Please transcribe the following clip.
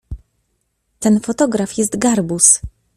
Ten fotograf jest garbus.